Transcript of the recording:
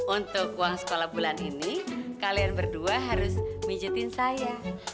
untuk uang sekolah bulan ini kalian berdua harus mijitin saya